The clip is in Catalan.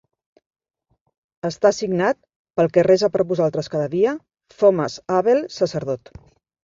Està signat "pel que resa per vosaltres cada dia, Thomas Abell, sacerdot".